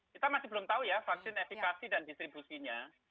kita masih belum tahu ya vaksin efekasi dan distribusinya